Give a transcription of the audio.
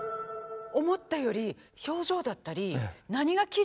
思ったより表情だったり何が効いたかっていう。